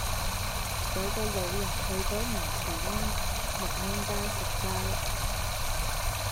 有個老人去左牛池灣沐安街食齋